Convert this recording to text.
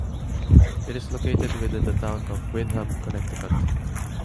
It is located within the town of Windham, Connecticut.